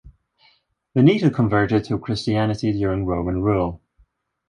Veneto converted to Christianity during Roman rule.